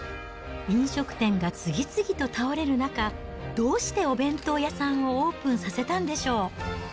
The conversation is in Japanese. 飲食店が次々と倒れる中、どうしてお弁当屋さんをオープンさせたんでしょう。